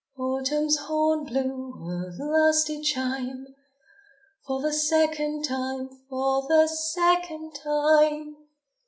Autumn's horn blew a lusty chime; For the second time, for the second time!